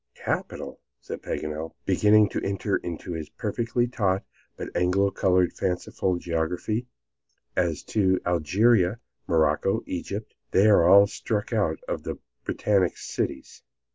"Capital!" said Paganel, beginning to enter into this perfectly taught but Anglo colored fanciful geography. "As to Algeria, Morocco, Egypt they are all struck out of the Britannic cities."